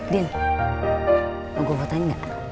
dil mau gue fotain gak